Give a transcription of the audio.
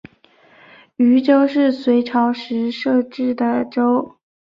渝州是隋朝时设置的州。